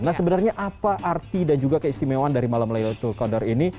nah sebenarnya apa arti dan juga keistimewaan dari malam laylatul qadar ini